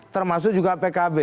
termasuk juga pkb